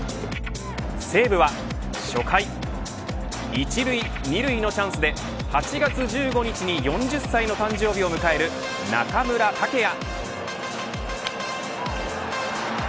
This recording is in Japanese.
西武は初回１塁２塁のチャンスで８月１５日に４０歳の誕生日を迎える中村剛也。